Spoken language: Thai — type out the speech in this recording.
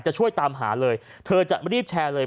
จะช่วยตามหาเลยเธอจะรีบแชร์เลย